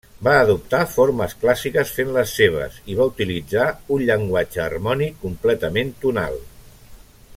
Va adoptar formes clàssiques fent-les seves, i va utilitzar un llenguatge harmònic completament tonal.